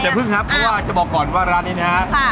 เดี๋ยวพึ่งครับจะบอกก่อนว่าร้านนี้นะฮะ